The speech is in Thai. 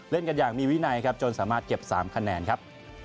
เล่นกันอย่างมีวินัยครับจนสามารถเก็บ๓คะแนนครับ